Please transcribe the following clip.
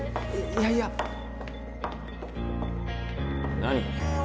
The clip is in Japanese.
いやいや何？